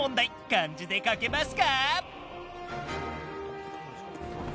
漢字で書けますか？